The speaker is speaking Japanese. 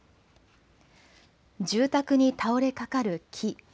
住宅に倒れかかる木。